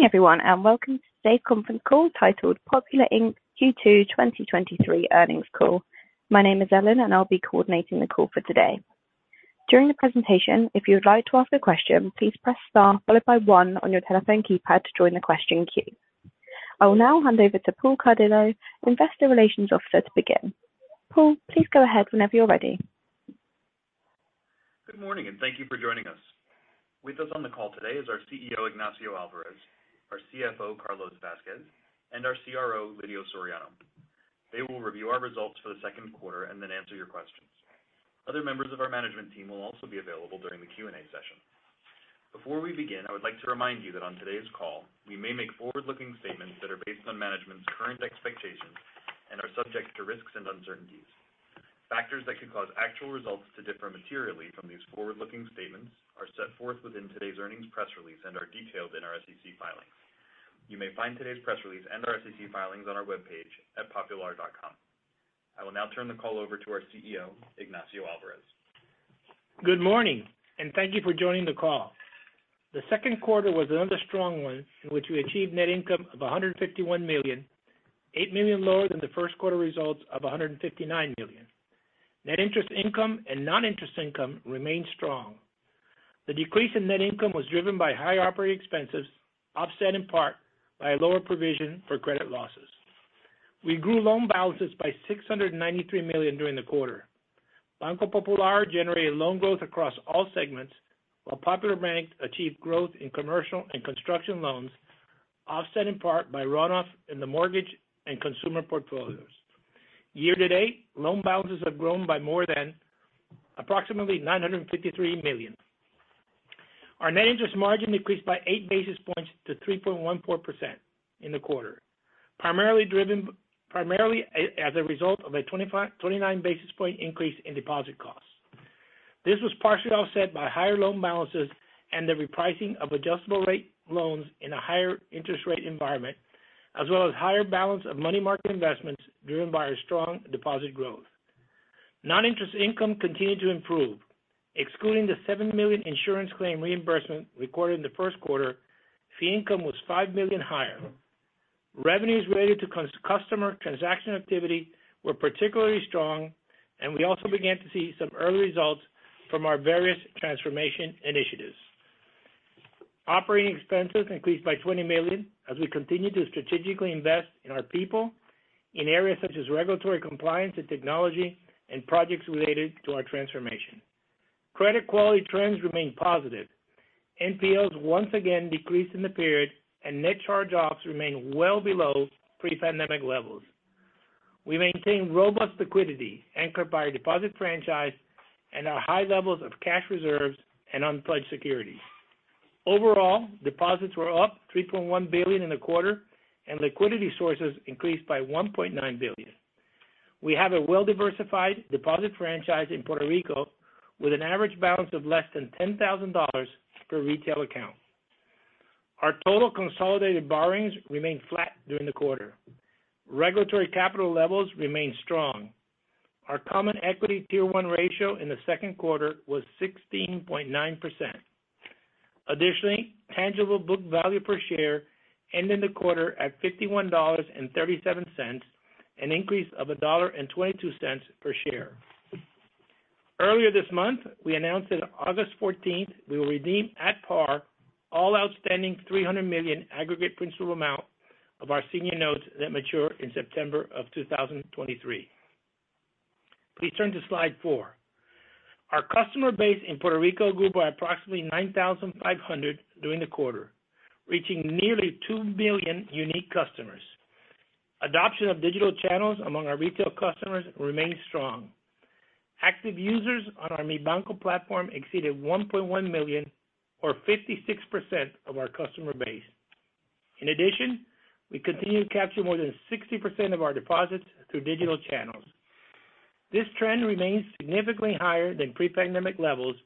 Good evening everyone, welcome to today's conference call, titled Popular, Inc. Q2 2023 Earnings Call. My name is Ellen, I'll be coordinating the call for today. During the presentation, if you would like to ask a question, please press star followed by one on your telephone keypad to join the question queue. I will now hand over to Paul Cardillo, Investor Relations Officer, to begin. Paul, please go ahead whenever you're ready. Good morning, and thank you for joining us. With us on the call today is our CEO, Ignacio Alvarez, our CFO, Carlos Vázquez, and our CRO, Lidio Soriano. They will review our results for the second quarter and then answer your questions. Other members of our management team will also be available during the Q&A session. Before we begin, I would like to remind you that on today's call, we may make forward-looking statements that are based on management's current expectations and are subject to risks and uncertainties. Factors that could cause actual results to differ materially from these forward-looking statements are set forth within today's earnings press release and are detailed in our SEC filings. You may find today's press release and our SEC filings on our webpage at popular.com. I will now turn the call over to our CEO, Ignacio Alvarez. Good morning. Thank you for joining the call. The second quarter was another strong one in which we achieved net income of $151 million, $8 million lower than the first quarter results of $159 million. Net interest income and non-interest income remained strong. The decrease in net income was driven by higher operating expenses, offset in part by a lower provision for credit losses. We grew loan balances by $693 million during the quarter. Banco Popular generated loan growth across all segments, while Popular Bank achieved growth in commercial and construction loans, offset in part by runoff in the mortgage and consumer portfolios. Year to date, loan balances have grown by more than approximately $953 million. Our net interest margin increased by 8 basis points to 3.14% in the quarter, primarily as a result of a 29 basis point increase in deposit costs. This was partially offset by higher loan balances and the repricing of adjustable rate loans in a higher interest rate environment, as well as higher balance of money market investments driven by our strong deposit growth. Non-interest income continued to improve, excluding the $7 million insurance claim reimbursement recorded in the first quarter, fee income was $5 million higher. Revenues related to customer transaction activity were particularly strong. We also began to see some early results from our various transformation initiatives. Operating expenses increased by $20 million as we continue to strategically invest in our people in areas such as regulatory compliance and technology and projects related to our transformation. Credit quality trends remain positive. NPLs once again decreased in the period, and net charge-offs remain well below pre-pandemic levels. We maintain robust liquidity, anchored by our deposit franchise and our high levels of cash reserves and unpledged securities. Overall, deposits were up $3.1 billion in the quarter, and liquidity sources increased by $1.9 billion. We have a well-diversified deposit franchise in Puerto Rico, with an average balance of less than $10,000 per retail account. Our total consolidated borrowings remained flat during the quarter. Regulatory capital levels remain strong. Our Common Equity Tier 1 ratio in the second quarter was 16.9%. Additionally, tangible book value per share ended the quarter at $51.37, an increase of $1.22 per share. Earlier this month, we announced that on August 14th, we will redeem at par all outstanding $300 million aggregate principal amount of our senior notes that mature in September of 2023. Please turn to slide four. Our customer base in Puerto Rico grew by approximately 9,500 during the quarter, reaching nearly 2 million unique customers. Adoption of digital channels among our retail customers remained strong. Active users on our Mi Banco platform exceeded 1.1 million or 56% of our customer base. In addition, we continue to capture more than 60% of our deposits through digital channels. This trend remains significantly higher than pre-pandemic levels,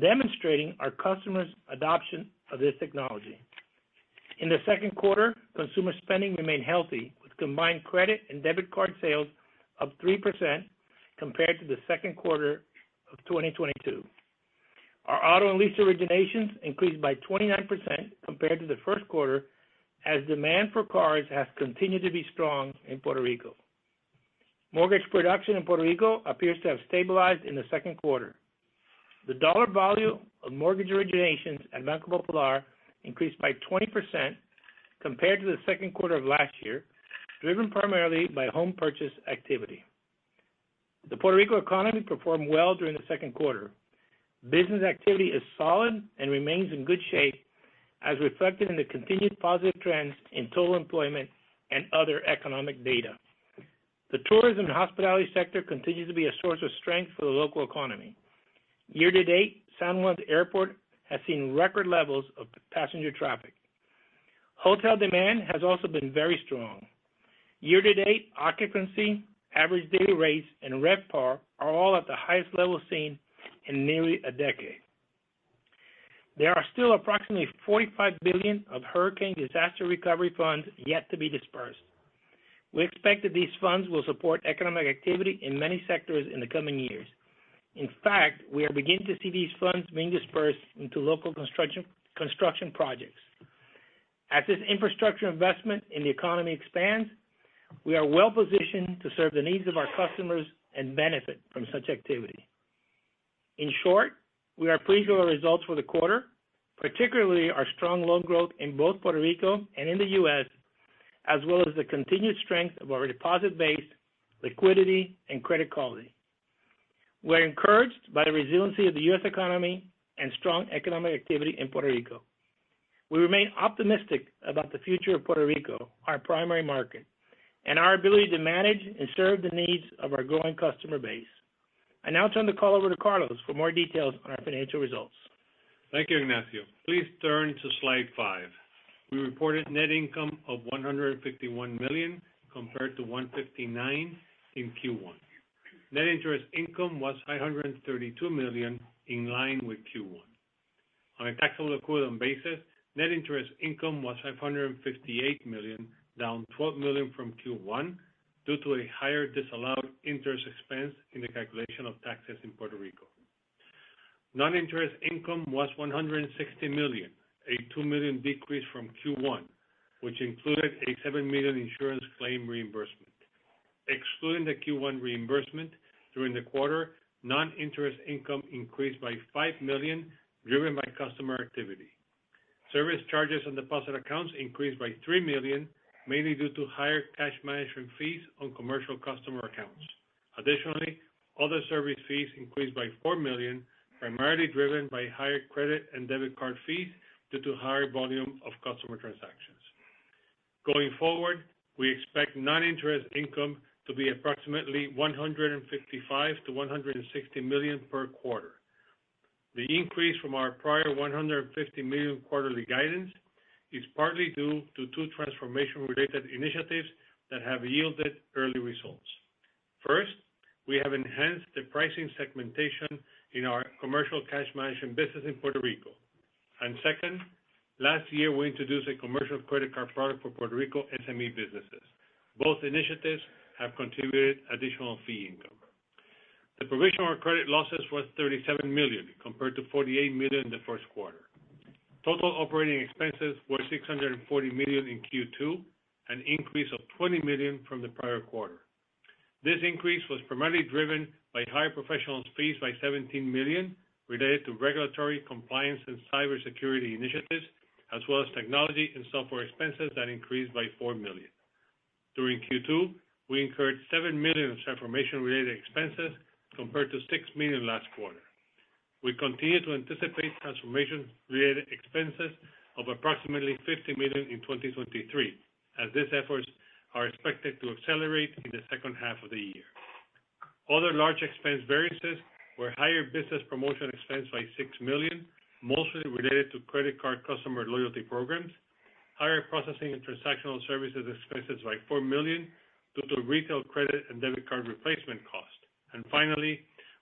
demonstrating our customers' adoption of this technology. In the second quarter, consumer spending remained healthy, with combined credit and debit card sales up 3% compared to the second quarter of 2022. Our auto and lease originations increased by 29% compared to the first quarter, as demand for cars has continued to be strong in Puerto Rico. Mortgage production in Puerto Rico appears to have stabilized in the second quarter. The dollar value of mortgage originations at Banco Popular increased by 20% compared to the second quarter of last year, driven primarily by home purchase activity. The Puerto Rico economy performed well during the second quarter. Business activity is solid and remains in good shape, as reflected in the continued positive trends in total employment and other economic data. The tourism and hospitality sector continues to be a source of strength for the local economy. Year to date, San Juan's airport has seen record levels of passenger traffic. Hotel demand has also been very strong. Year to date, occupancy, average daily rates, and RevPAR are all at the highest level seen in nearly a decade. There are still approximately $45 billion of hurricane disaster recovery funds yet to be disbursed. We expect that these funds will support economic activity in many sectors in the coming years. In fact, we are beginning to see these funds being dispersed into local construction projects. As this infrastructure investment in the economy expands, we are well-positioned to serve the needs of our customers and benefit from such activity. In short, we are pleased with our results for the quarter, particularly our strong loan growth in both Puerto Rico and in the U.S., as well as the continued strength of our deposit base, liquidity, and credit quality. We're encouraged by the resiliency of the U.S. economy and strong economic activity in Puerto Rico. We remain optimistic about the future of Puerto Rico, our primary market, and our ability to manage and serve the needs of our growing customer base. I now turn the call over to Carlos for more details on our financial results. Thank you, Ignacio. Please turn to slide 5. We reported net income of $151 million, compared to $159 million in Q1. Net interest income was $532 million, in line with Q1. On a taxable equivalent basis, net interest income was $558 million, down $12 million from Q1, due to a higher disallowed interest expense in the calculation of taxes in Puerto Rico. Non-interest income was $160 million, a $2 million decrease from Q1, which included a $7 million insurance claim reimbursement. Excluding the Q1 reimbursement, during the quarter, non-interest income increased by $5 million, driven by customer activity. Service charges on deposit accounts increased by $3 million, mainly due to higher cash management fees on commercial customer accounts. Additionally, other service fees increased by $4 million, primarily driven by higher credit and debit card fees due to higher volume of customer transactions. Going forward, we expect non-interest income to be approximately $155 million-$160 million per quarter. The increase from our prior $150 million quarterly guidance is partly due to two transformation-related initiatives that have yielded early results. First, we have enhanced the pricing segmentation in our commercial cash management business in Puerto Rico. Second, last year, we introduced a commercial credit card product for Puerto Rico SME businesses. Both initiatives have contributed additional fee income. The provision for credit losses was $37 million, compared to $48 million in the first quarter. Total operating expenses were $640 million in Q2, an increase of $20 million from the prior quarter. This increase was primarily driven by higher professionals fees by $17 million, related to regulatory compliance and cybersecurity initiatives, as well as technology and software expenses that increased by $4 million. During Q2, we incurred $7 million in transformation-related expenses, compared to $6 million last quarter. We continue to anticipate transformation-related expenses of approximately $50 million in 2023, as these efforts are expected to accelerate in the second half of the year. Other large expense variances were higher business promotion expense by $6 million, mostly related to credit card customer loyalty programs, higher processing and transactional services expenses by $4 million due to retail credit and debit card replacement costs, and finally,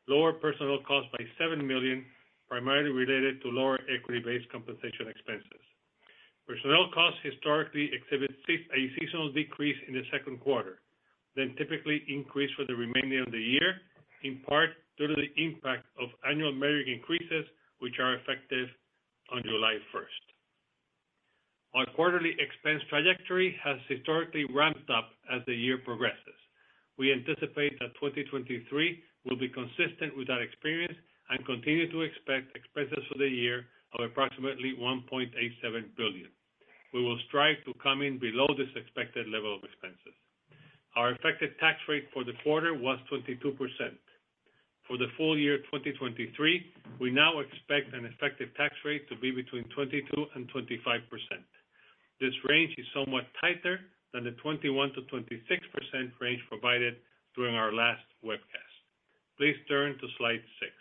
lower personnel costs by $7 million, primarily related to lower equity-based compensation expenses. Personnel costs historically exhibit a seasonal decrease in the second quarter, then typically increase for the remaining of the year, in part due to the impact of annual wage increases, which are effective on July first. Our quarterly expense trajectory has historically ramped up as the year progresses. We anticipate that 2023 will be consistent with that experience and continue to expect expenses for the year of approximately $1.87 billion. We will strive to come in below this expected level of expenses. Our effective tax rate for the quarter was 22%. For the full year 2023, we now expect an effective tax rate to be between 22% and 25%. This range is somewhat tighter than the 21%-26% range provided during our last webcast. Please turn to slide 6.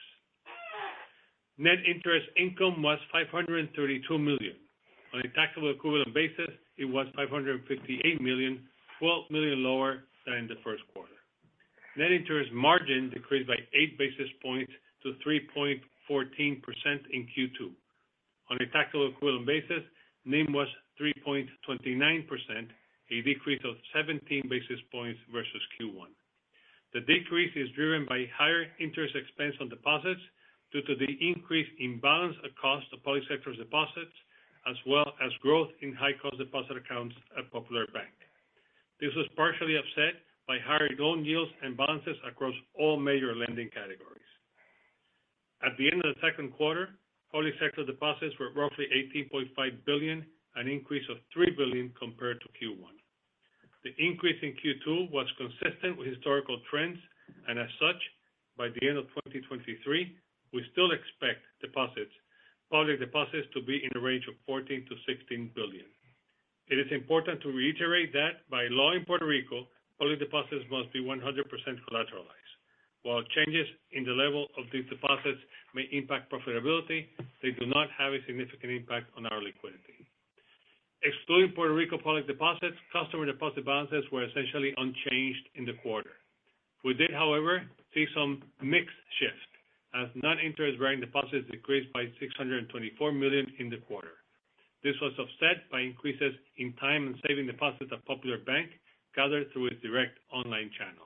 Net interest income was $532 million. On a taxable equivalent basis, it was $558 million, $12 million lower than in the first quarter. Net interest margin decreased by 8 basis points to 3.14% in Q2. On a taxable equivalent basis, NIM was 3.29%, a decrease of 17 basis points versus Q1. The decrease is driven by higher interest expense on deposits due to the increase in balance across the public sector's deposits, as well as growth in high-cost deposit accounts at Popular Bank. This was partially offset by higher loan yields and balances across all major lending categories. At the end of the second quarter, public sector deposits were roughly $18.5 billion, an increase of $3 billion compared to Q1. The increase in Q2 was consistent with historical trends. As such, by the end of 2023, we still expect deposits, public deposits to be in the range of $14 billion-$16 billion. It is important to reiterate that by law in Puerto Rico, public deposits must be 100% collateralized. Changes in the level of these deposits may impact profitability, they do not have a significant impact on our liquidity. Excluding Puerto Rico public deposits, customer deposit balances were essentially unchanged in the quarter. We did, however, see some mixed shifts as non-interest-bearing deposits decreased by $624 million in the quarter. This was offset by increases in time and saving deposits at Popular Bank, gathered through its direct online channel.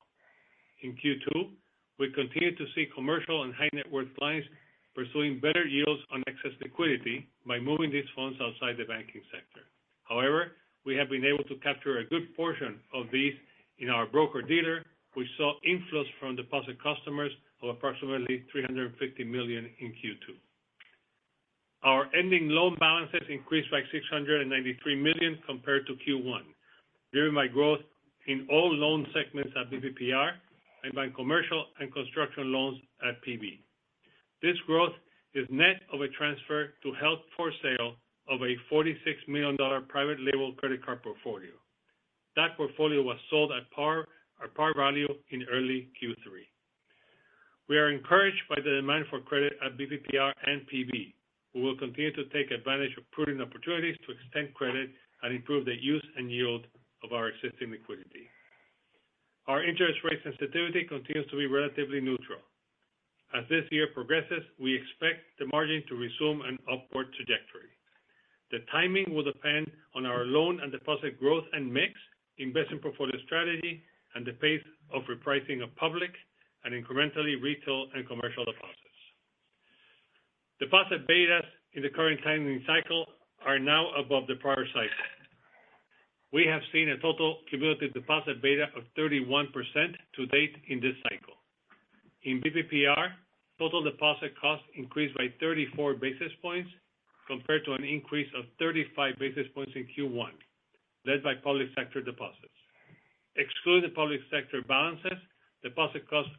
In Q2, we continued to see commercial and high-net-worth clients pursuing better yields on excess liquidity by moving these funds outside the banking sector. We have been able to capture a good portion of these in our broker-dealer. We saw inflows from deposit customers of approximately $350 million in Q2. Our ending loan balances increased by $693 million compared to Q1, driven by growth in all loan segments at BPPR and by commercial and construction loans at PB. This growth is net of a transfer to held for sale of a $46 million private label credit card portfolio. That portfolio was sold at par value in early Q3. We are encouraged by the demand for credit at BPPR and PB. We will continue to take advantage of prudent opportunities to extend credit and improve the use and yield of our existing liquidity. Our interest rate sensitivity continues to be relatively neutral. As this year progresses, we expect the margin to resume an upward trajectory. The timing will depend on our loan and deposit growth and mix, investment portfolio strategy, and the pace of repricing of public and incrementally retail and commercial deposits. Deposit betas in the current timing cycle are now above the prior cycle. We have seen a total cumulative deposit beta of 31% to date in this cycle. In BPPR, total deposit costs increased by 34 basis points compared to an increase of 35 basis points in Q1, led by public sector deposits. Excluding public sector balances, deposit costs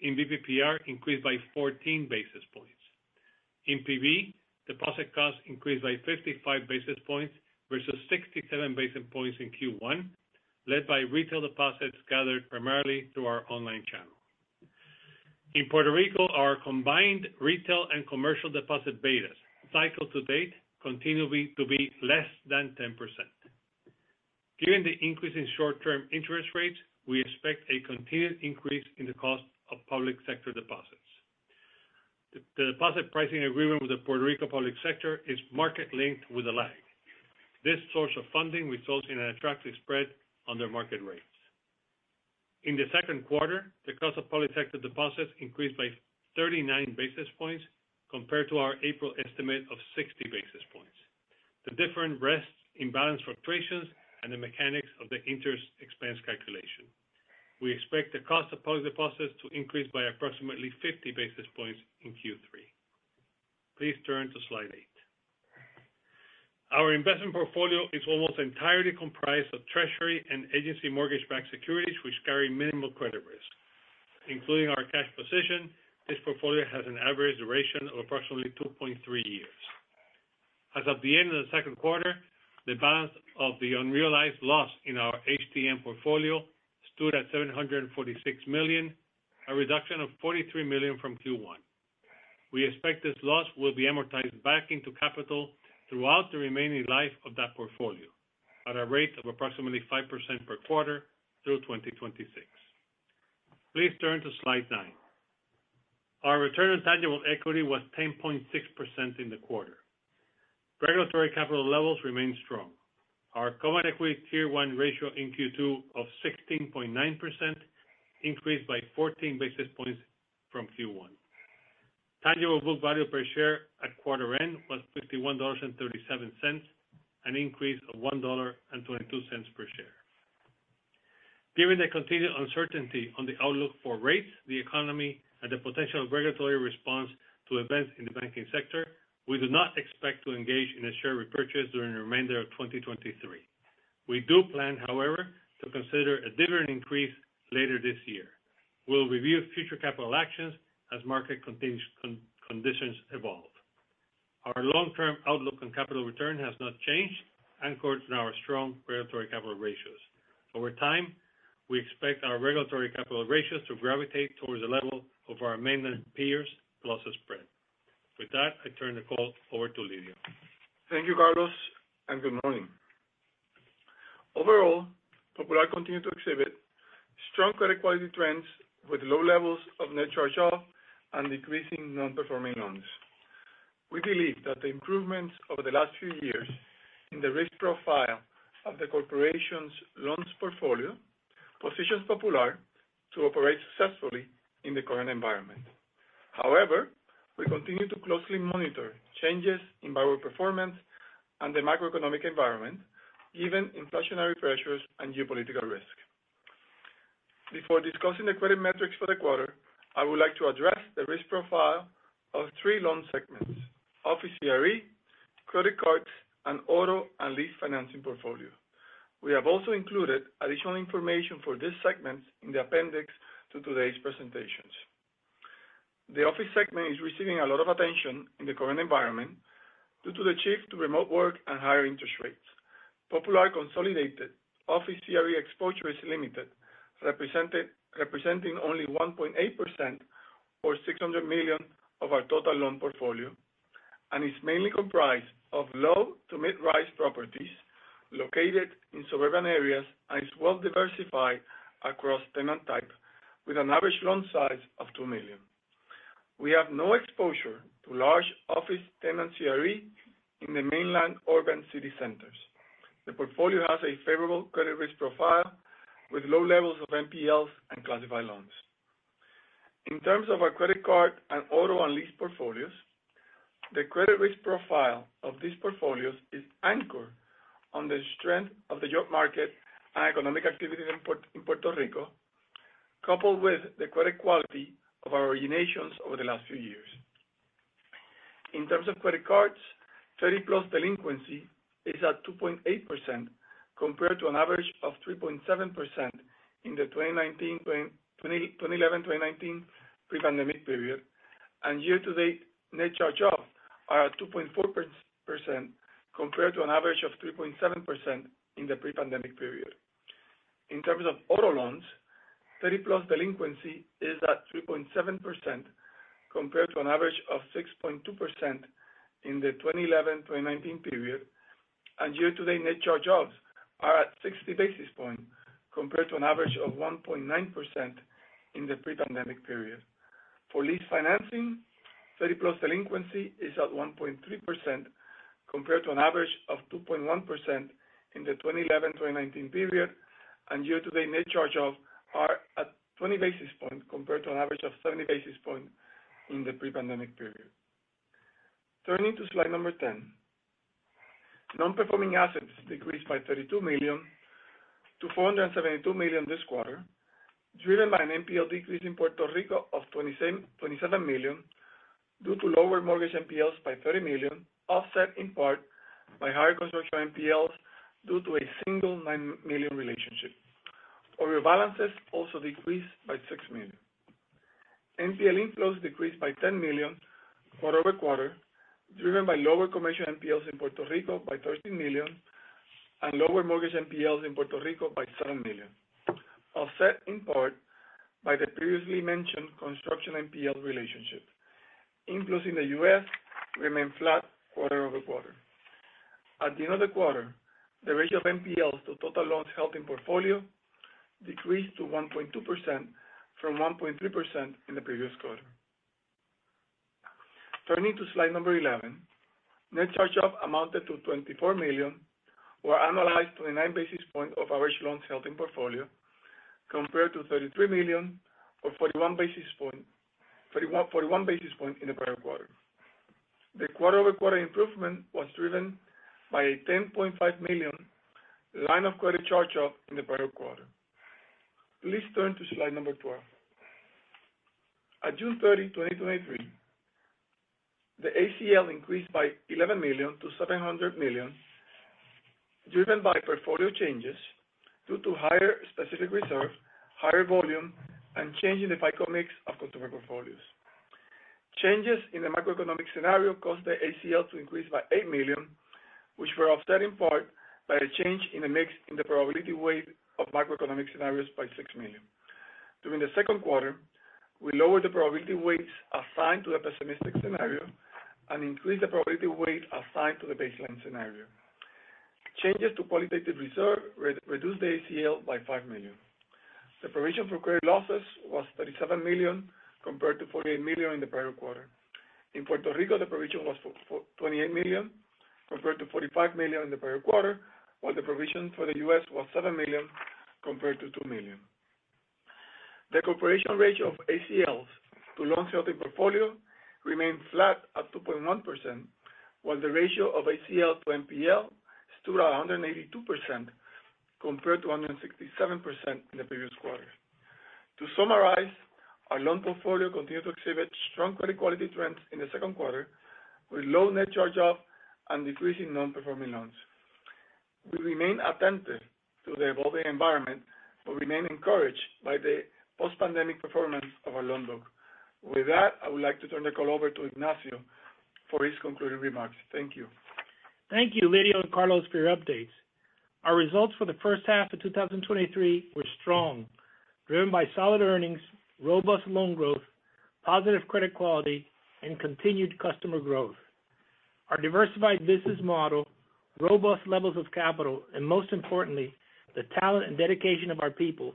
in BPPR increased by 14 basis points. In PB, deposit costs increased by 55 basis points versus 67 basis points in Q1, led by retail deposits gathered primarily through our online channel. In Puerto Rico, our combined retail and commercial deposit betas, cycle to date, continue to be less than 10%. Given the increase in short-term interest rates, we expect a continued increase in the cost of public sector deposits. The deposit pricing agreement with the Puerto Rico public sector is market-linked with a lag. This source of funding results in an attractive spread on their market rates. In the second quarter, the cost of public sector deposits increased by 39 basis points compared to our April estimate of 60 basis points. The different rests in balance fluctuations and the mechanics of the interest expense calculation. We expect the cost of public deposits to increase by approximately 50 basis points in Q3. Please turn to slide eight. Our investment portfolio is almost entirely comprised of treasury and agency mortgage-backed securities, which carry minimal credit risk. Including our cash position, this portfolio has an average duration of approximately 2.3 years. As of the end of the second quarter, the balance of the unrealized loss in our HTM portfolio stood at $746 million, a reduction of $43 million from Q1. We expect this loss will be amortized back into capital throughout the remaining life of that portfolio, at a rate of approximately 5% per quarter through 2026. Please turn to slide nine. Our return on tangible equity was 10.6% in the quarter. Regulatory capital levels remain strong. Our Common Equity Tier 1 ratio in Q2 of 16.9% increased by 14 basis points from Q1. Tangible book value per share at quarter end was $51.37, an increase of $1.22 per share. Given the continued uncertainty on the outlook for rates, the economy, and the potential regulatory response to events in the banking sector, we do not expect to engage in a share repurchase during the remainder of 2023. We do plan, however, to consider a dividend increase later this year. We'll review future capital actions as market conditions evolve. Our long-term outlook on capital return has not changed, anchored in our strong regulatory capital ratios. Over time, we expect our regulatory capital ratios to gravitate towards the level of our maintenance peers, plus a spread. I turn the call over to Lidio. Thank you, Carlos. Good morning. Overall, Popular continued to exhibit strong credit quality trends with low levels of net charge-off and decreasing non-performing loans. We believe that the improvements over the last few years in the risk profile of the corporation's loans portfolio, positions Popular to operate successfully in the current environment. However, we continue to closely monitor changes in borrower performance and the macroeconomic environment, given inflationary pressures and geopolitical risk. Before discussing the credit metrics for the quarter, I would like to address the risk profile of three loan segments: Office CRE, credit cards, and auto and lease financing portfolio. We have also included additional information for these segments in the appendix to today's presentations. The office segment is receiving a lot of attention in the current environment due to the shift to remote work and higher interest rates. Popular consolidated office CRE exposure is limited, representing only 1.8% or $600 million of our total loan portfolio. It is mainly comprised of low to mid-rise properties located in suburban areas, and is well diversified across tenant type, with an average loan size of $2 million. We have no exposure to large office tenant CRE in the mainland urban city centers. The portfolio has a favorable credit risk profile, with low levels of NPLs and classified loans. In terms of our credit card and auto, and lease portfolios, the credit risk profile of these portfolios is anchored on the strength of the job market and economic activity in Puerto Rico, coupled with the credit quality of our originations over the last few years. In terms of credit cards, 30-plus delinquency is at 2.8%, compared to an average of 3.7% in the 2011 to 2019 pre-pandemic period. Year-to-date, net charge-offs are at 2.4%, compared to an average of 3.7% in the pre-pandemic period. In terms of auto loans, 30-plus delinquency is at 3.7%, compared to an average of 6.2% in the 2011 to 2019 period, and year-to-date net charge-offs are at 60 basis points, compared to an average of 1.9% in the pre-pandemic period. For lease financing, 30-plus delinquency is at 1.3%, compared to an average of 2.1% in the 2011-2019 period. Year-to-date net charge-offs are at 20 basis points, compared to an average of 70 basis points in the pre-pandemic period. Turning to slide number 10. Non-performing assets decreased by $32 million to $472 million this quarter, driven by an NPL decrease in Puerto Rico of $27 million, due to lower mortgage NPLs by $30 million, offset in part by higher construction NPLs, due to a single $9 million relationship. Other balances also decreased by $6 million. NPL inflows decreased by $10 million quarter-over-quarter, driven by lower commercial NPLs in Puerto Rico by $13 million, and lower mortgage NPLs in Puerto Rico by $7 million, offset in part by the previously mentioned construction NPL relationship. Inflows in the U.S. remained flat quarter-over-quarter. At the end of the quarter, the ratio of NPLs to total loans held in portfolio decreased to 1.2% from 1.3% in the previous quarter. Turning to slide number 11. Net charge-off amounted to $24 million, or annualized 29 basis points of average loans held in portfolio, compared to $33 million or 41 basis points in the prior quarter. The quarter-over-quarter improvement was driven by a $10.5 million line of credit charge-off in the prior quarter. Please turn to slide number 12. At June 30, 2023, the ACL increased by $11 million to $700 million, driven by portfolio changes due to higher specific reserves, higher volume, and change in the FICO mix of consumer portfolios. Changes in the macroeconomic scenario caused the ACL to increase by $8 million, which were offset in part by a change in the mix in the probability weight of macroeconomic scenarios by $6 million. During the second quarter, we lowered the probability weights assigned to the pessimistic scenario, and increased the probability weight assigned to the baseline scenario. Changes to qualitative reserve re-reduced the ACL by $5 million. The provision for credit losses was $37 million, compared to $48 million in the prior quarter. In Puerto Rico, the provision was $28 million, compared to $45 million in the prior quarter, while the provision for the US was $7 million, compared to $2 million. The cooperation ratio of ACLs to loans held in portfolio remained flat at 2.1%, while the ratio of ACL to NPL stood at 182%, compared to 167% in the previous quarter. To summarize, our loan portfolio continued to exhibit strong credit quality trends in the second quarter, with low net charge-off and decreasing non-performing loans. We remain attentive to the evolving environment, but remain encouraged by the post-pandemic performance of our loan book. With that, I would like to turn the call over to Ignacio for his concluding remarks. Thank you. Thank you, Lidio and Carlos, for your updates. Our results for the first half of 2023 were strong, driven by solid earnings, robust loan growth, positive credit quality, and continued customer growth. Our diversified business model, robust levels of capital, and most importantly, the talent and dedication of our people,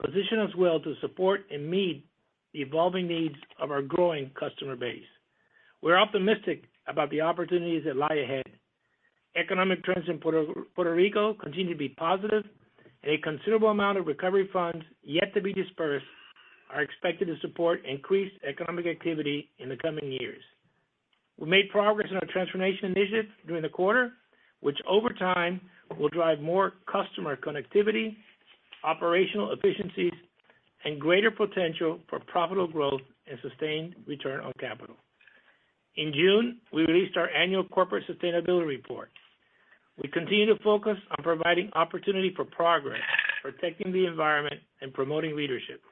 position us well to support and meet the evolving needs of our growing customer base. We're optimistic about the opportunities that lie ahead. Economic trends in Puerto Rico continue to be positive, and a considerable amount of recovery funds yet to be dispersed are expected to support increased economic activity in the coming years. We made progress in our transformation initiatives during the quarter, which over time, will drive more customer connectivity, operational efficiencies, and greater potential for profitable growth and sustained return on capital. In June, we released our annual corporate sustainability report. We continue to focus on providing opportunity for progress, protecting the environment, and promoting leadership.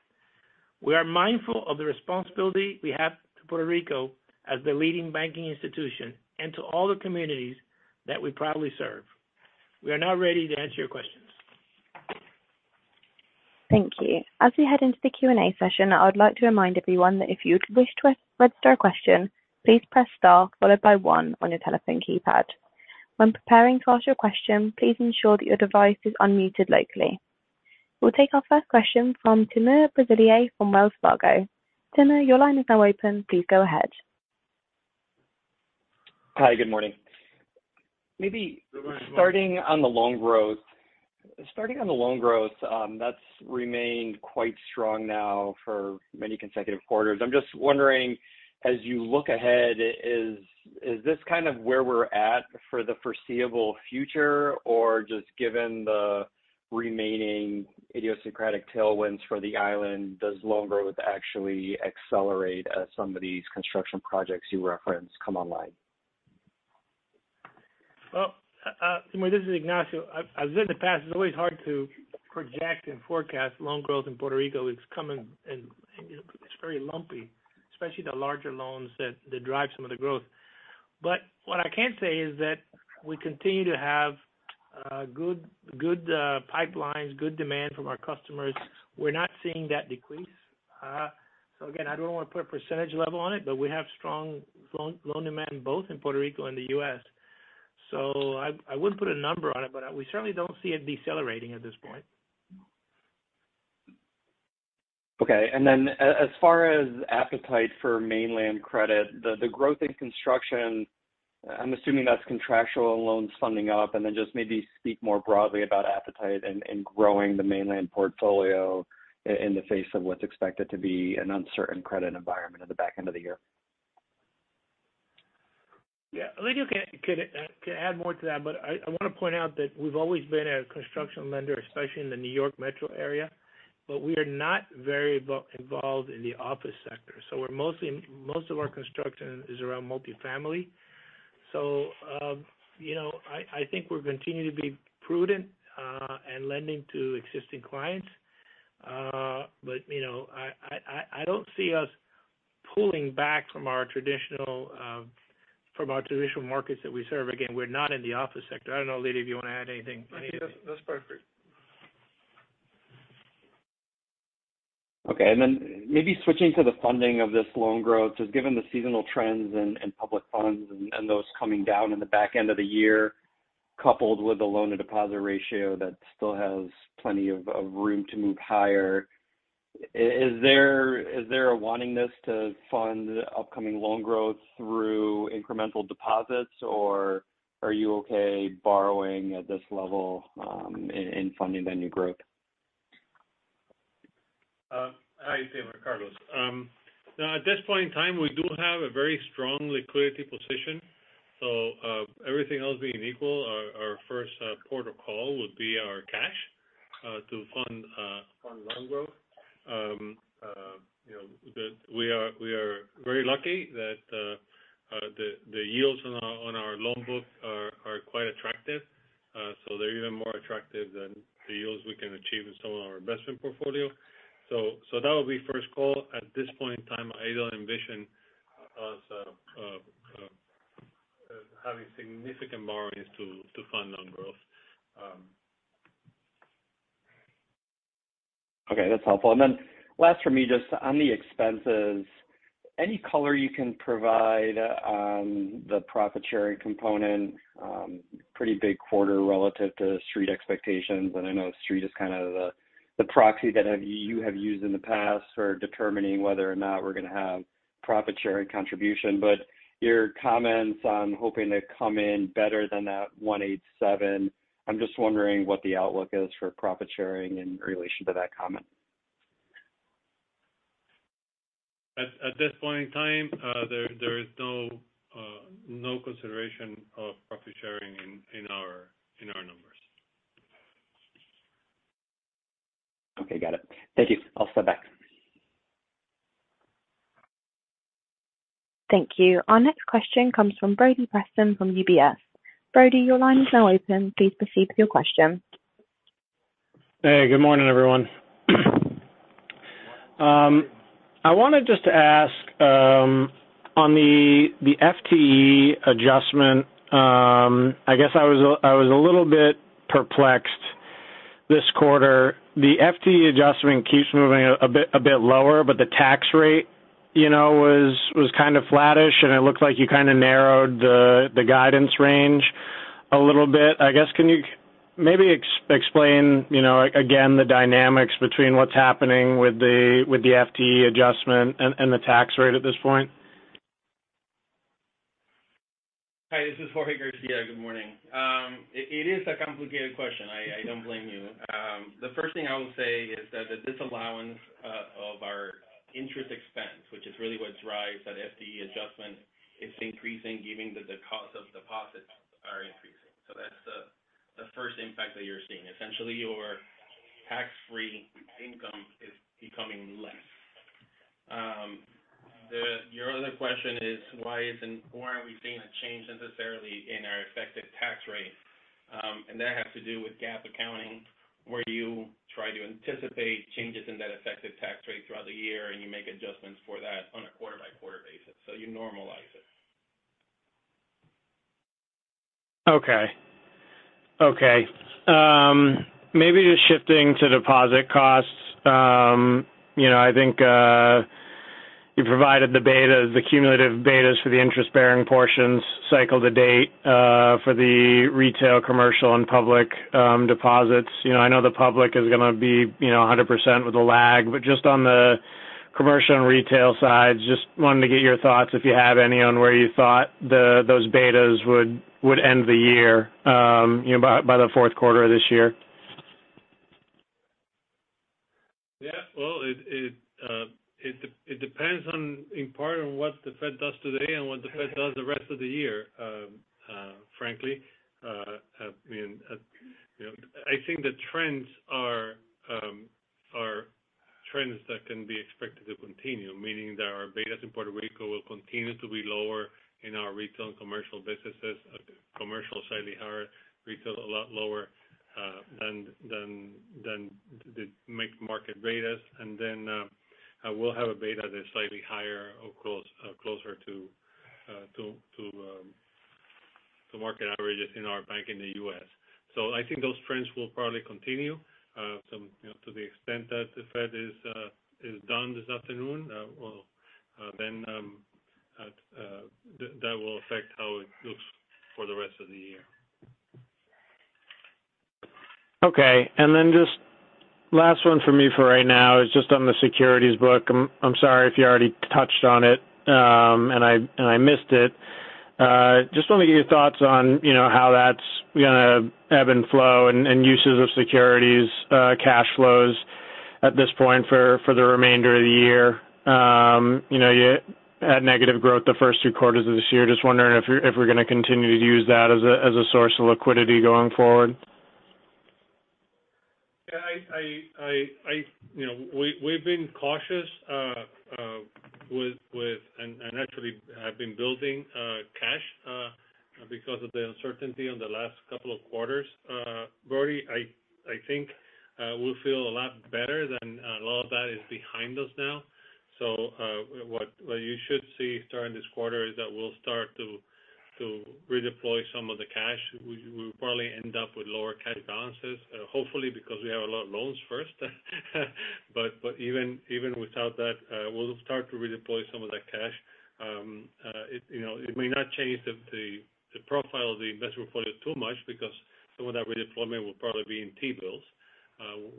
We are mindful of the responsibility we have to Puerto Rico as the leading banking institution, and to all the communities that we proudly serve. We are now ready to answer your questions. Thank you. As we head into the Q&A session, I would like to remind everyone that if you'd wish to register a question, please press Star, followed by one on your telephone keypad. When preparing to ask your question, please ensure that your device is unmuted locally. We'll take our first question from Timur Braziler from Wells Fargo. Timur, your line is now open. Please go ahead. Hi, good morning. Maybe starting on the loan growth. Starting on the loan growth, that's remained quite strong now for many consecutive quarters. I'm just wondering, as you look ahead, is this kind of where we're at for the foreseeable future? Just given the remaining idiosyncratic tailwinds for the island, does loan growth actually accelerate as some of these construction projects you referenced come online? Well, Timur, this is Ignacio. As in the past, it's always hard to project and forecast loan growth in Puerto Rico. It's coming and it's very lumpy, especially the larger loans that drive some of the growth. What I can say is that we continue to have good pipelines, good demand from our customers. We're not seeing that decrease. Again, I don't want to put a percentage level on it, but we have strong loan demand both in Puerto Rico and the U.S. I wouldn't put a number on it, but we certainly don't see it decelerating at this point. Okay. Then as far as appetite for mainland credit, the growth in construction, I'm assuming that's contractual loans funding up, and then just maybe speak more broadly about appetite and growing the mainland portfolio in the face of what's expected to be an uncertain credit environment at the back end of the year. Yeah, Lidio can add more to that, but I want to point out that we've always been a construction lender, especially in the New York metro area, but we are not very involved in the office sector, so most of our construction is around multifamily. You know, I think we're continuing to be prudent in lending to existing clients. You know, I don't see us pulling back from our traditional markets that we serve. Again, we're not in the office sector. I don't know, Lidio, if you want to add anything. That's perfect. Okay. Maybe switching to the funding of this loan growth. Just given the seasonal trends and public funds and those coming down in the back end of the year, coupled with the loan-to-deposit ratio that still has plenty of room to move higher, is there a willingness to fund upcoming loan growth through incremental deposits, or are you okay borrowing at this level in funding the new growth? Hi, Timur. Carlos. At this point in time, we do have a very strong liquidity position, everything else being equal, our first port of call would be our cash to fund loan growth. You know, we are very lucky that the yields on our loan book are quite attractive. They're even more attractive than the yields we can achieve in some of our investment portfolio. That would be first call. At this point in time, I don't envision us having significant borrowings to fund loan growth. Okay, that's helpful. Last for me, just on the expenses, any color you can provide on the profit sharing component? Pretty big quarter relative to Street expectations, and I know Street is kind of the proxy that you have used in the past for determining whether or not we're going to have profit sharing contribution. Your comments on hoping to come in better than that $187, I'm just wondering what the outlook is for profit sharing in relation to that comment. At this point in time, there is no consideration of profit sharing in our numbers. Okay, got it. Thank you. I'll step back. Thank you. Our next question comes from Brody Preston, from UBS. Brody, your line is now open. Please proceed with your question. Hey, good morning, everyone. I wanted just to ask, on the FTE adjustment, I guess I was a little bit perplexed this quarter. The FTE adjustment keeps moving a bit lower, but the tax rate, you know, was kind of flattish, and it looked like you kind of narrowed the guidance range a little bit. I guess, can you maybe explain, you know, again, the dynamics between what's happening with the FTE adjustment and the tax rate at this point? Hi, this is Jorge Garcia. Good morning. It is a complicated question. I don't blame you. The first thing I will say is that the disallowance of our interest expense, which is really what drives that FTE adjustment, is increasing given that the cost of deposits are increasing. That's the first impact that you're seeing. Essentially, your tax-free income is becoming less. Your other question is, why isn't, why aren't we seeing a change necessarily in our effective tax rate? That has to do with GAAP accounting, where you try to anticipate changes in that effective tax rate throughout the year, and you make adjustments for that on a quarter-by-quarter basis. You normalize it. Okay. Okay, maybe just shifting to deposit costs. You know, I think, you provided the betas, the cumulative betas for the interest-bearing portions, cycle to date, for the retail, commercial, and public, deposits. You know, I know the public is gonna be, you know, 100% with a lag, but just on the commercial and retail sides, just wanted to get your thoughts, if you have any, on where you thought the, those betas would end the year, you know, by the fourth quarter of this year? Yeah, well, it depends on, in part, on what the Fed does today and what the Fed does the rest of the year, frankly. I mean, you know, I think the trends are trends that can be expected to continue, meaning that our betas in Puerto Rico will continue to be lower in our retail and commercial businesses. Commercial, slightly higher; retail, a lot lower than the make market betas. We'll have a beta that's slightly higher, of course, closer to market averages in our bank in the US. I think those trends will probably continue. Some, you know, to the extent that the Fed is done this afternoon, well, then, that will affect how it looks for the rest of the year. Okay. Just last one for me for right now is just on the securities book. I'm sorry if you already touched on it, and I missed it. Just want to get your thoughts on, you know, how that's gonna ebb and flow and uses of securities cash flows at this point for the remainder of the year. You know, you had negative growth the first two quarters of this year. Just wondering if we're gonna continue to use that as a source of liquidity going forward. Yeah, I, you know, we've been cautious, with and actually have been building cash, because of the uncertainty in the last couple of quarters. Already I think, we'll feel a lot better than a lot of that is behind us now. What you should see during this quarter is that we'll start to redeploy some of the cash. We'll probably end up with lower cash balances, hopefully because we have a lot of loans first. Even without that, we'll start to redeploy some of that cash. It, you know, it may not change the profile of the investment portfolio too much because some of that redeployment will probably be in T-bills,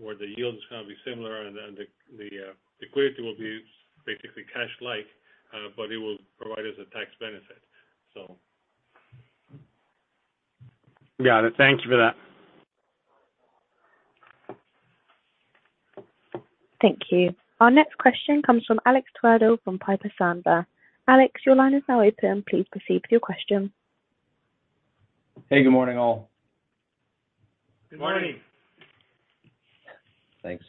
where the yield is gonna be similar and then the liquidity will be basically cash-like, but it will provide us a tax benefit. Got it. Thank you for that. Thank you. Our next question comes from Alex Twerdahl from Piper Sandler. Alex, your line is now open. Please proceed with your question. Hey, good morning, all. Good morning. Good morning. Thanks.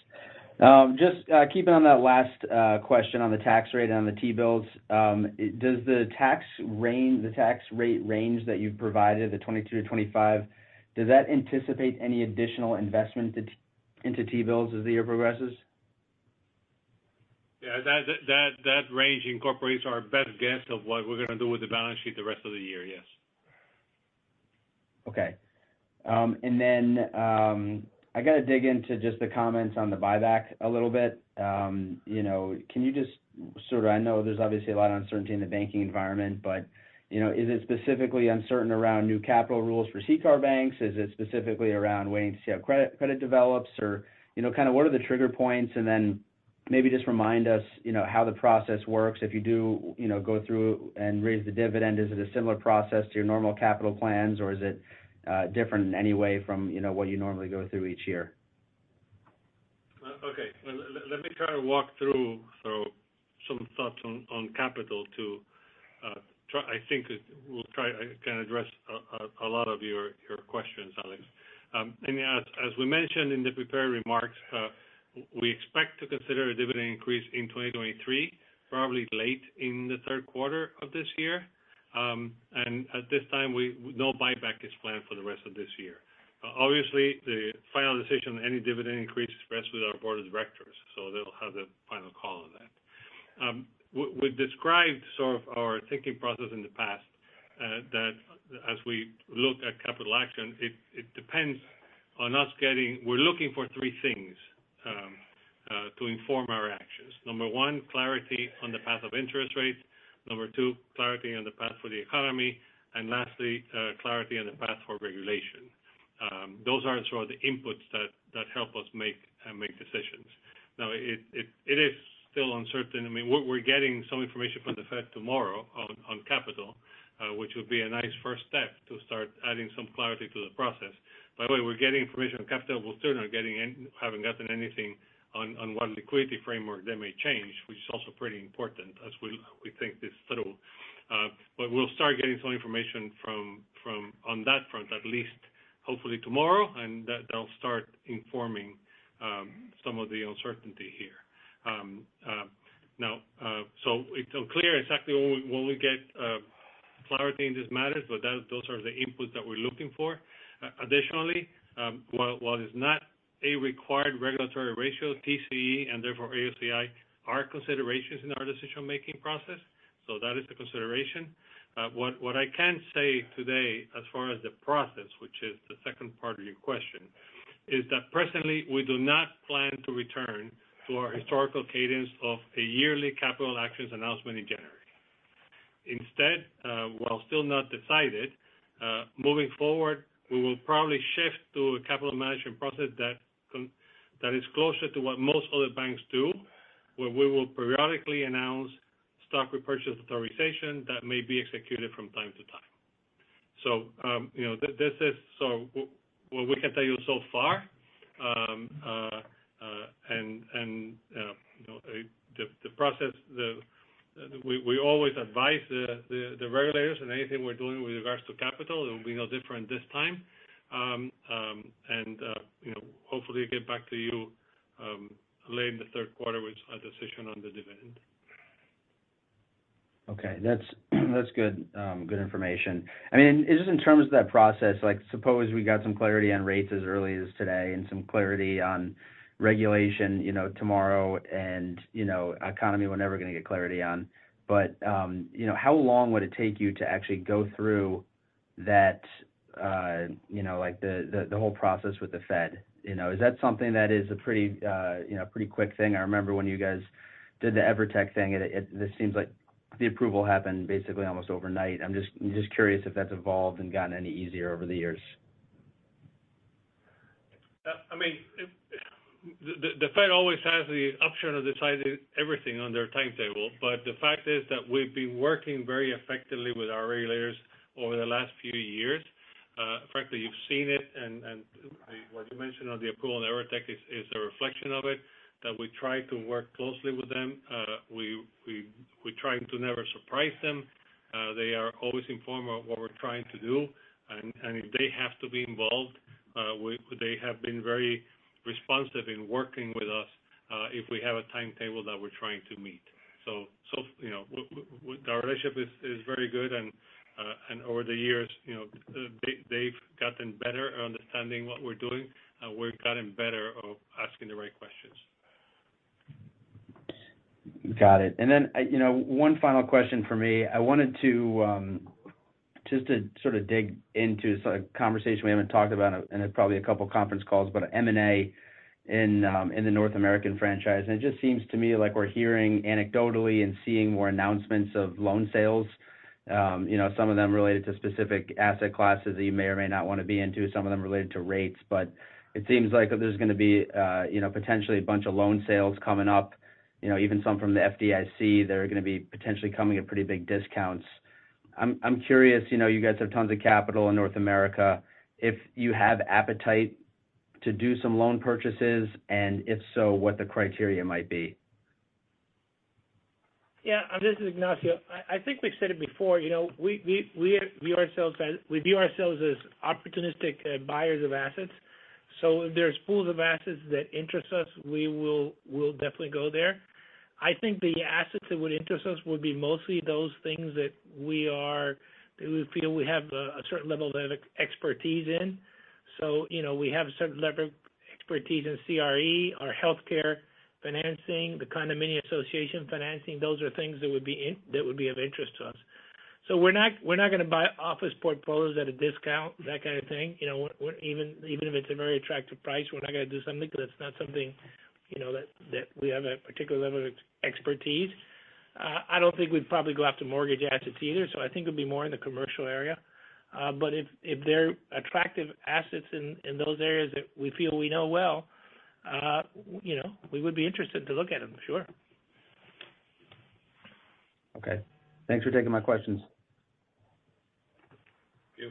Just keeping on that last question on the tax rate on the T-bills. Does the tax rate range that you've provided, the 22%-25%, does that anticipate any additional investment into T-bills as the year progresses? Yeah, that range incorporates our best guess of what we're gonna do with the balance sheet the rest of the year. Yes. Okay. I got to dig into just the comments on the buyback a little bit. You know, can you just sort of I know there's obviously a lot of uncertainty in the banking environment, but, you know, is it specifically uncertain around new capital rules for CCAR banks? Is it specifically around waiting to see how credit develops? You know, kind of what are the trigger points? Maybe just remind us, you know, how the process works. If you do, you know, go through and raise the dividend, is it a similar process to your normal capital plans, or is it different in any way from, you know, what you normally go through each year? Okay. Let me try to walk through sort of some thoughts on capital. I think it will try kind of address a lot of your questions, Alex. As we mentioned in the prepared remarks, we expect to consider a dividend increase in 2023, probably late in the third quarter of this year. At this time, no buyback is planned for the rest of this year. Obviously, the final decision on any dividend increase rests with our board of directors. They'll have the final call on that. We've described sort of our thinking process in the past that as we look at capital action. We're looking for three things to inform our actions. Number one, clarity on the path of interest rates. Number two, clarity on the path for the economy. Lastly, clarity on the path for regulation. Those are sort of the inputs that help us make decisions. Now, it is still uncertain. I mean, we're getting some information from the Fed tomorrow on capital, which will be a nice first step to start adding some clarity to the process. By the way, we're getting information on capital, still not getting anything on what liquidity framework that may change, which is also pretty important as we think this through. We'll start getting some information from on that front, at least hopefully tomorrow, and that'll start informing some of the uncertainty here. Now, it's unclear exactly when we get clarity in these matters, but those are the inputs that we're looking for. Additionally, while it's not a required regulatory ratio, TCE and therefore AOCI are considerations in our decision-making process. That is the consideration. What I can say today, as far as the process, which is the second part of your question, is that presently, we do not plan to return to our historical cadence of a yearly capital actions announcement in January. Instead, while still not decided, moving forward, we will probably shift to a capital management process that is closer to what most other banks do, where we will periodically announce stock repurchase authorization that may be executed from time to time. What we can tell you so far, and you know, the process, we always advise the regulators in anything we're doing with regards to capital, it will be no different this time. You know, hopefully, get back to you late in the third quarter with a decision on the dividend. Okay, that's good information. I mean, just in terms of that process, like, suppose we got some clarity on rates as early as today and some clarity on regulation, you know, tomorrow and, you know, economy, we're never gonna get clarity on. You know, how long would it take you to actually go through that, you know, like, the whole process with the Fed? You know, is that something that is a pretty, you know, pretty quick thing? I remember when you guys did the Evertec thing, it, this seems like the approval happened basically almost overnight. I'm just, I'm just curious if that's evolved and gotten any easier over the years. I mean, the Fed always has the option of deciding everything on their timetable. The fact is that we've been working very effectively with our regulators over the last few years. Frankly, you've seen it. What you mentioned on the approval on Evertec is a reflection of it, that we try to work closely with them. We try to never surprise them. They are always informed about what we're trying to do. If they have to be involved, they have been very responsive in working with us, if we have a timetable that we're trying to meet. You know, our relationship is very good, and over the years, you know, they've gotten better at understanding what we're doing, and we've gotten better of asking the right questions. Got it. You know, one final question for me. I wanted to just to sort of dig into a conversation we haven't talked about in probably a couple of conference calls, but M&A in the North American franchise. It just seems to me like we're hearing anecdotally and seeing more announcements of loan sales. You know, some of them related to specific asset classes that you may or may not want to be into, some of them related to rates. It seems like there's gonna be, you know, potentially a bunch of loan sales coming up, you know, even some from the FDIC that are gonna be potentially coming at pretty big discounts. I'm curious, you know, you guys have tons of capital in North America, if you have appetite to do some loan purchases, and if so, what the criteria might be? Yeah, this is Ignacio. I think we've said it before, you know, we view ourselves as opportunistic buyers of assets. If there's pools of assets that interest us, we will, we'll definitely go there. I think the assets that would interest us would be mostly those things that we feel we have a certain level of expertise in. You know, we have a certain level of expertise in CRE or healthcare financing, the condominium association financing. Those are things that would be of interest to us. We're not, we're not gonna buy office portfolios at a discount, that kind of thing. You know, even if it's a very attractive price, we're not gonna do something, because it's not something, you know, that we have a particular level of expertise. I don't think we'd probably go after mortgage assets either, I think it'd be more in the commercial area. If there are attractive assets in those areas that we feel we know well, you know, we would be interested to look at them, sure. Okay. Thanks for taking my questions. Thank you.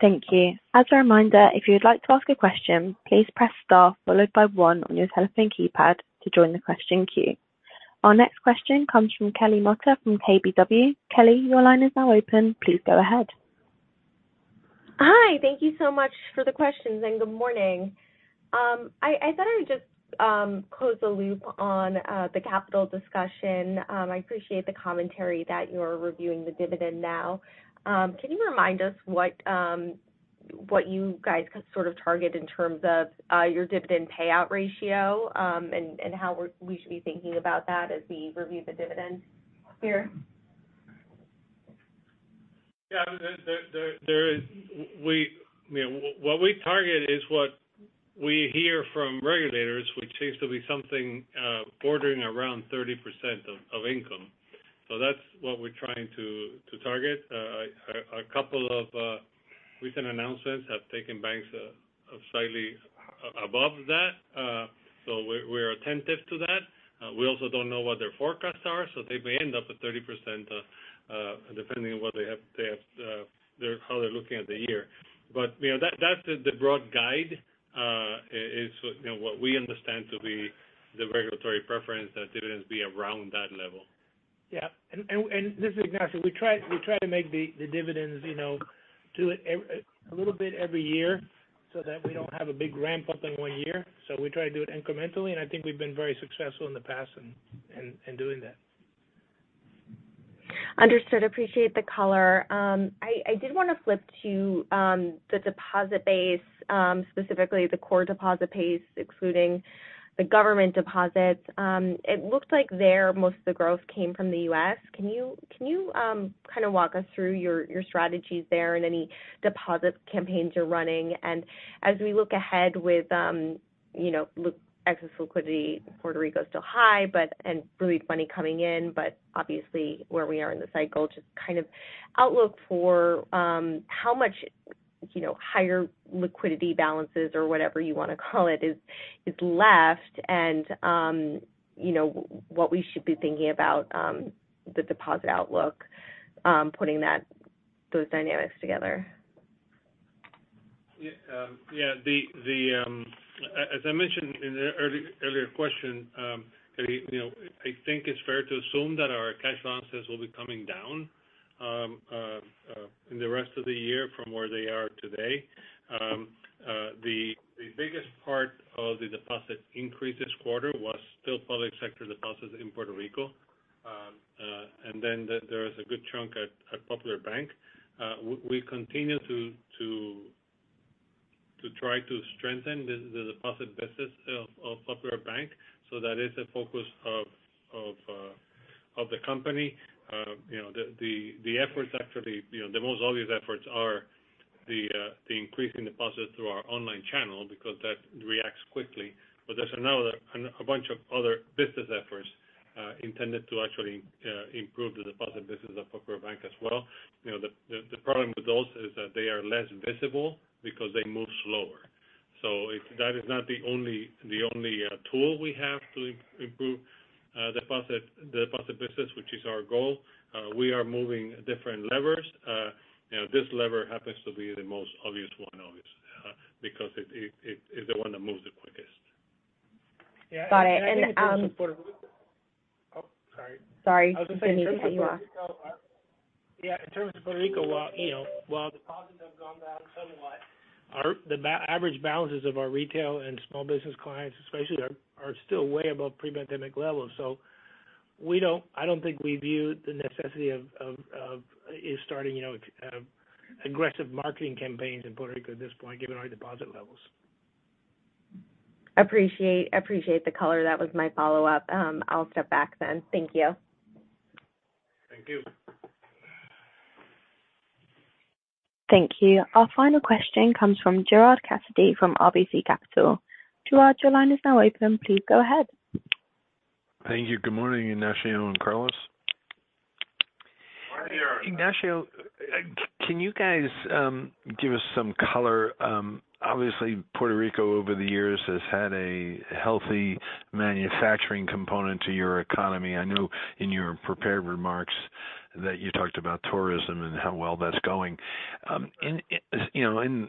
Thank you. As a reminder, if you would like to ask a question, please press star followed by one on your telephone keypad to join the question queue. Our next question comes from Kelly Motta from KBW. Kelly, your line is now open. Please go ahead. Hi, thank you so much for the questions. Good morning. I thought I would just close the loop on the capital discussion. I appreciate the commentary that you're reviewing the dividend now. Can you remind us what you guys sort of target in terms of your dividend payout ratio, and how we should be thinking about that as we review the dividend here? Yeah, there is. We, you know, what we target is what we hear from regulators, which seems to be something bordering around 30% of income. That's what we're trying to target. A couple of recent announcements have taken banks slightly above that, so we're attentive to that. We also don't know what their forecasts are, so they may end up at 30%, depending on what they have, how they're looking at the year. You know, that's the broad guide, you know, what we understand to be the regulatory preference, that dividends be around that level. This is Ignacio. We try to make the dividends, you know, do it a little bit every year so that we don't have a big ramp-up in one year. We try to do it incrementally, and I think we've been very successful in the past in doing that. Understood. Appreciate the color. I did want to flip to the deposit base, specifically the core deposit base, excluding the government deposits. It looked like there, most of the growth came from the U.S. Can you kind of walk us through your strategies there and any deposit campaigns you're running? As we look ahead with, you know, look, excess liquidity, Puerto Rico is still high, but and really money coming in. Obviously, where we are in the cycle, just kind of outlook for, how much, you know, higher liquidity balances or whatever you want to call it, is left. You know, what we should be thinking about, the deposit outlook, putting those dynamics together. As I mentioned in the earlier question, you know, I think it's fair to assume that our cash balances will be coming down in the rest of the year from where they are today. The biggest part of the deposit increase this quarter was still public sector deposits in Puerto Rico. There is a good chunk at Popular Bank. We continue to try to strengthen the deposit business of Popular Bank. That is a focus of the company. You know, the efforts actually, you know, the most obvious efforts are the increasing deposits through our online channel because that reacts quickly. There's a bunch of other business efforts, intended to actually improve the deposit business of Popular Bank as well. You know, the problem with those is that they are less visible because they move slower. If that is not the only tool we have to improve deposit, the deposit business, which is our goal, we are moving different levers. You know, this lever happens to be the most obvious one, obviously, because it's the one that moves the quickest. Got it. Yeah, I think in terms of Puerto Rico. Oh, sorry. Sorry, didn't mean to cut you off. Yeah, in terms of Puerto Rico, while, you know, while deposits have gone down somewhat, average balances of our retail and small business clients especially, are still way above pre-pandemic levels. I don't think we view the necessity of starting, you know, aggressive marketing campaigns in Puerto Rico at this point, given our deposit levels. Appreciate, appreciate the color. That was my follow-up. I'll step back then. Thank you. Thank you. Thank you. Our final question comes from Gerard Cassidy from RBC Capital. Gerard, your line is now open. Please go ahead. Thank you. Good morning, Ignacio and Carlos. Morning, Gerard. Ignacio, can you guys give us some color? Obviously, Puerto Rico over the years has had a healthy manufacturing component to your economy. I know in your prepared remarks that you talked about tourism and how well that's going. In, you know, in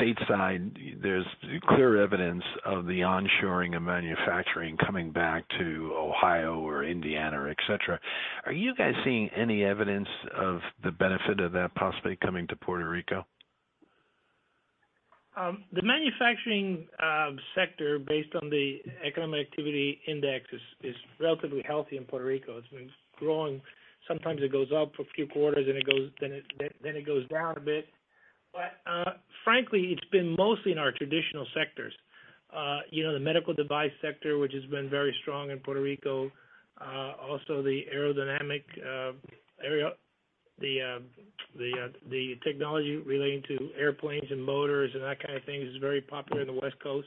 stateside, there's clear evidence of the onshoring of manufacturing coming back to Ohio or Indiana, et cetera. Are you guys seeing any evidence of the benefit of that possibly coming to Puerto Rico? The manufacturing sector, based on the economic activity index, is relatively healthy in Puerto Rico. It's been growing. Sometimes it goes up for a few quarters, and then it goes down a bit. Frankly, it's been mostly in our traditional sectors. You know, the medical device sector, which has been very strong in Puerto Rico, also the aeronautic technology relating to airplanes and motors and that kind of thing is very popular in the West Coast.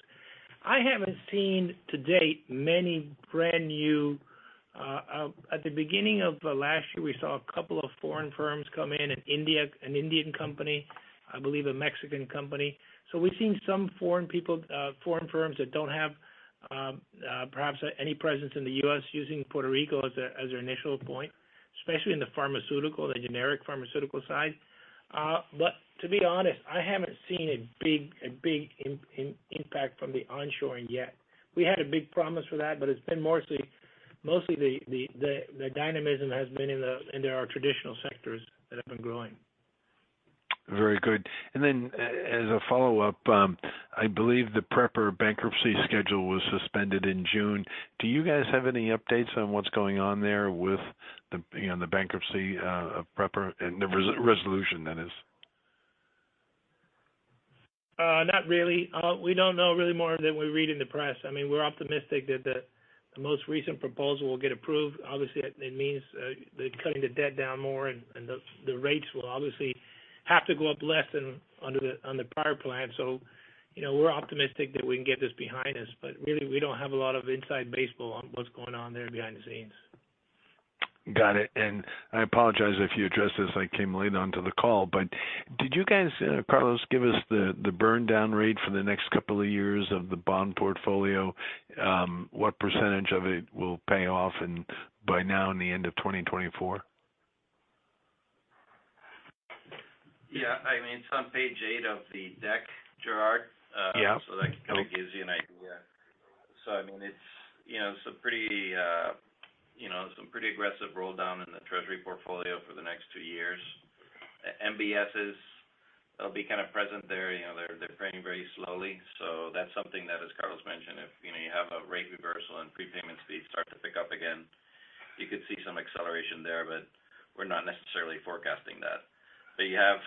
I haven't seen to date many brand new. At the beginning of last year, we saw a couple of foreign firms come in, an Indian company, I believe, a Mexican company. We've seen some foreign people, foreign firms that don't have, perhaps any presence in the U.S., using Puerto Rico as their initial point, especially in the pharmaceutical, the generic pharmaceutical side. But to be honest, I haven't seen a big impact from the onshoring yet. We had a big promise for that, but it's been mostly the dynamism has been in our traditional sectors that have been growing. Very good. As a follow-up, I believe the PREPA bankruptcy schedule was suspended in June. Do you guys have any updates on what's going on there with the, you know, the bankruptcy of PREPA and the resolution that is? Not really. We don't know really more than we read in the press. I mean, we're optimistic that the most recent proposal will get approved. Obviously, it means they're cutting the debt down more and the rates will obviously have to go up less than on the prior plan. You know, we're optimistic that we can get this behind us, but really, we don't have a lot of inside baseball on what's going on there behind the scenes. Got it, and I apologize if you addressed this. I came late onto the call, but did you guys, Carlos, give us the burn down rate for the next couple of years of the bond portfolio? What % of it will pay off, and by now and the end of 2024? Yeah, I mean, it's on page 8 of the deck, Gerard. Yeah. That kind of gives you an idea. I mean, it's, you know, some pretty, you know, some pretty aggressive roll down in the treasury portfolio for the next two years. MBSs, they'll be kind of present there. You know, they're paying very slowly. That's something that, as Carlos mentioned, if, you know, you have a rate reversal and prepayment speeds start to pick up again, you could see some acceleration there, but we're not necessarily forecasting that. You have,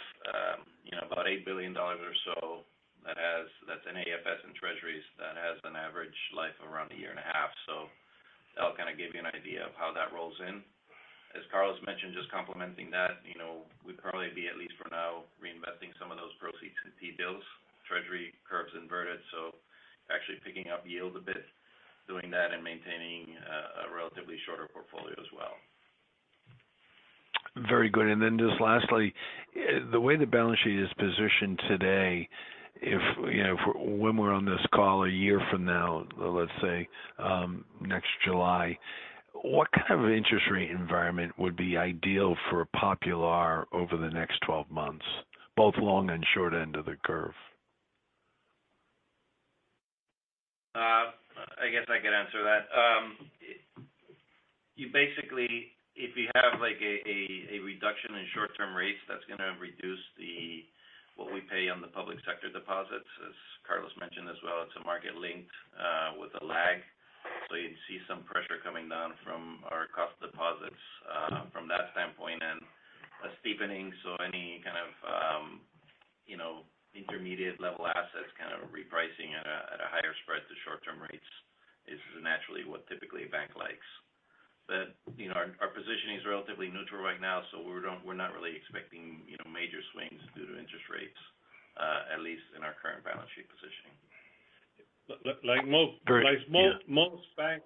you know, about $8 billion or so that's in AFS and Treasuries that has an average life of around a year and a half. That'll kind of give you an idea of how that rolls in. As Carlos mentioned, just complementing that, you know, we'd probably be, at least for now, reinvesting some of those proceeds into T-bills. Treasury curves inverted, so actually picking up yield a bit, doing that and maintaining a relatively shorter portfolio as well. Very good. Just lastly, the way the balance sheet is positioned today, if, you know, for when we're on this call a year from now, let's say, next July, what kind of interest rate environment would be ideal for Popular over the next 12 months, both long and short end of the curve? I guess I could answer that. You basically, if you have, like, a reduction in short-term rates, that's going to reduce what we pay on the public sector deposits. As Carlos mentioned as well, it's a market linked with a lag. You'd see some pressure coming down from our cost deposits from that standpoint and a steepening. Any kind of, you know, intermediate level assets, kind of repricing at a higher spread to short-term rates is naturally what typically a bank likes. You know, our positioning is relatively neutral right now, so we're not really expecting, you know, major swings due to interest rates, at least in our current balance sheet positioning. Like most- Great. Like most banks,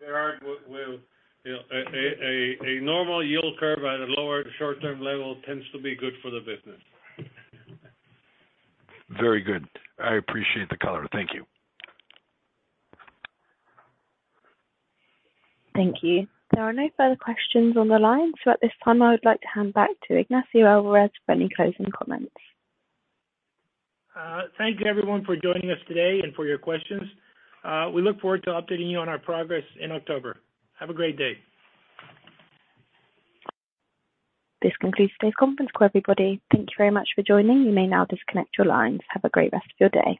there are, you know, a normal yield curve at a lower short-term level tends to be good for the business. Very good. I appreciate the color. Thank you. Thank you. There are no further questions on the line. At this time, I would like to hand back to Ignacio Alvarez for any closing comments. Thank you everyone for joining us today and for your questions. We look forward to updating you on our progress in October. Have a great day. This concludes today's conference call, everybody. Thank you very much for joining. You may now disconnect your lines. Have a great rest of your day.